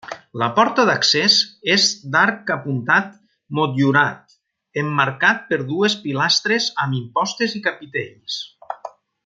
La porta d'accés és d'arc apuntat motllurat, emmarcat per dues pilastres amb impostes i capitells.